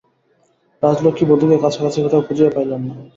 রাজলক্ষ্মী বধূকে কাছাকাছি কোথাও খুঁজিয়া পাইলেন না।